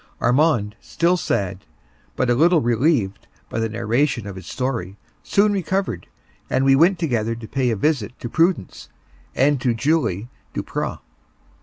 Armand, still sad, but a little relieved by the narration of his story, soon recovered, and we went together to pay a visit to Prudence and to Julie Duprat.